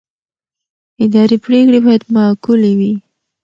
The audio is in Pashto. اداري پرېکړې باید معقولې وي.